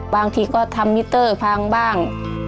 บางทีก็ทำมิเตอร์พังบ้าง